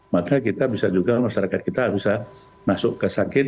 maka kita bisa juga masyarakat kita bisa masuk ke sakit